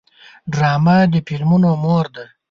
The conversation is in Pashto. ډرامه د فلمونو مور ده